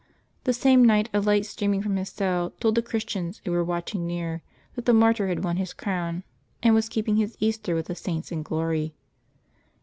The same night a light streaming from his cell told the Christians who were watching near that the martyr had won his crown, and was keeping his Easter with the Saints in gloTj.